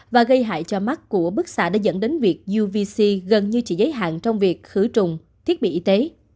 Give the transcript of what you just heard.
và gây hại cho mắt của bức xạ đã dẫn đến việc uvc gần như chỉ giới hạn trong việc khử trùng thiết bị y tế